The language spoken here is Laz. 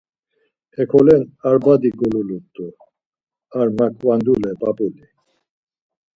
Hekolen ar badi golulut̆u, ar marǩvandule p̌ap̌uli.